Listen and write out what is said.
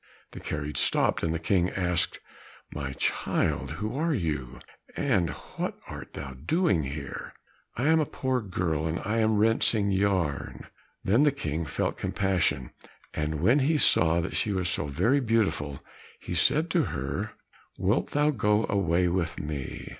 The carriage stopped, and the King asked,"My child, who are thou, and what art thou doing here?" "I am a poor girl, and I am rinsing yarn." Then the King felt compassion, and when he saw that she was so very beautiful, he said to her, "Wilt thou go away with me?"